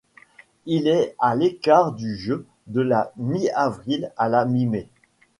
Il est à l'écart du jeu de la mi-avril à la mi-mai.